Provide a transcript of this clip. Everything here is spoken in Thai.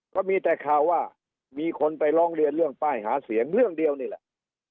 ก็มีแต่ข่าวว่ามีคนไปร้องเรียนเรื่องป้ายหาเสียงเรื่องเดียวนี่แหละ